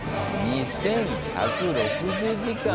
２，１６０時間を。